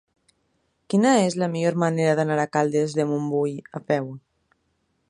Quina és la millor manera d'anar a Caldes de Montbui a peu?